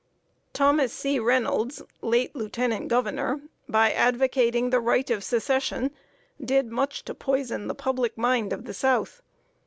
Thomas C. Reynolds, late Lieutenant Governor, by advocating the right of Secession, did much to poison the public mind of the South.